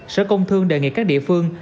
sở công thương đề nghị các địa phương